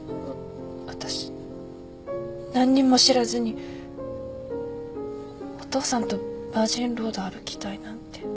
私何にも知らずにお父さんとバージンロード歩きたいなんて。